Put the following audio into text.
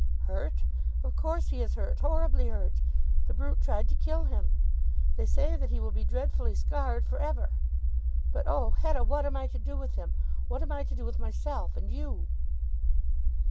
"Hurt; of course he is hurt; horribly hurt. The brute tried to kill him. They say that he will be dreadfully scarred for ever. But oh, Hetta; what am I to do with him? What am I to do with myself and you?"